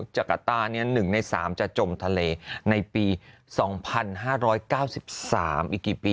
จักรต้า๑ใน๓จะจมทะเลในปี๒๕๙๓อีกกี่ปี